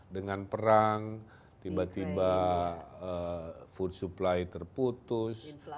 dengan perang tiba tiba food supply terputus